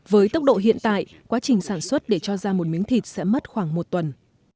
với tốc độ hiện tại quá trình sản xuất để cho ra một miếng thịt sẽ mất khoảng một tuần